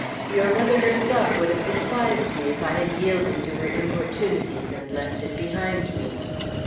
Your mother herself would have despised me if I had yielded to her importunities and left it behind me."